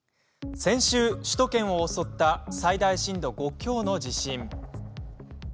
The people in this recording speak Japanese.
先週、首都圏を襲った最大震度５強の地震。